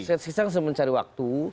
saya sekarang sudah mencari waktu